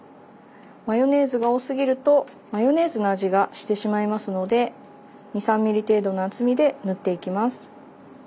マヨネーズが多すぎるとマヨネーズの味がしてしまいますので２３ｍｍ程度の厚みで塗っていきます。